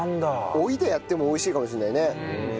「追い」でやっても美味しいかもしれないね。